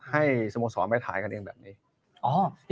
สโมสรไปถ่ายกันเองแบบนี้